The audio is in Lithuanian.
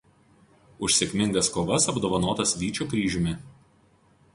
Už sėkmingas kovas apdovanotas Vyčio Kryžiumi.